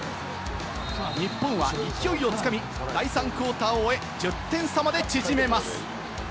日本は勢いをつかみ、第３クオーターを１０点差まで縮めます。